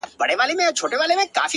o زما د زړه په هغه شين اسمان كي ـ